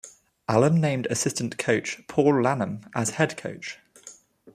Allen named assistant coach Paul Lanham as head coach.